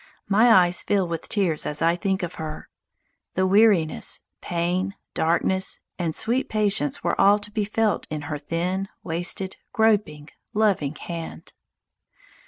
My eyes fill with tears as I think of her. The weariness, pain, darkness, and sweet patience were all to be felt in her thin, wasted, groping, loving hand.